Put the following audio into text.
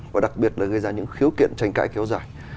và đặc biệt là gây ra những khiếu kiện tranh cãi kéo dài